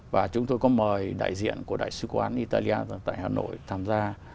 và chúng tôi có mời đại diện của đại sứ quán italia tại hà nội tham gia